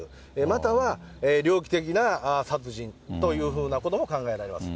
または、猟奇的な殺人というふうなことも考えられます。